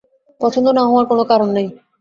পছন্দ না-হওয়ার কোনো কারণ নাই।